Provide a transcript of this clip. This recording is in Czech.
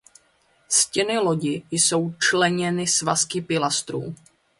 Stěny lodi jsou členěny svazky pilastrů.